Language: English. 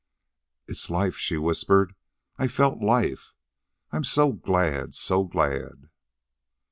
"It's life," she whispered. "I felt life. I am so glad, so glad."